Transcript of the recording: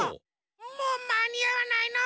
もうまにあわないの？